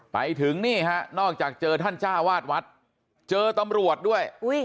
ไปถึงนี่ฮะนอกจากเจอท่านจ้าวาดวัดเจอตำรวจด้วย